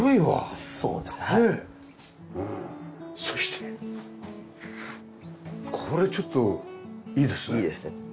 そしてこれちょっといいですね。